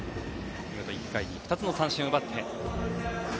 見事１回に２つの三振を奪って。